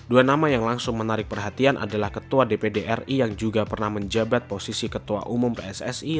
dua nama yang langsung menarik perhatian adalah ketua dpd ri yang juga pernah menjabat posisi ketua umum pssi